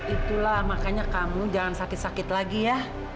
itulah makanya kamu jangan sakit sakit lagi ya